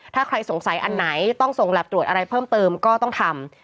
ถ้าใครสงสัยอันไหนต้องส่งแล็บตรวจอะไรเพิ่มเติมก็ต้องทำ